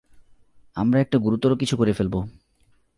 আমরা একটা গুরুতর কিছু করে ফেলব।